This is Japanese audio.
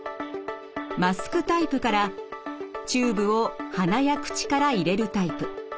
マスクタイプからチューブを鼻や口から入れるタイプ。